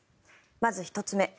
まず１つ目。